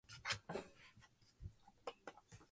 The limestone is used to make cement.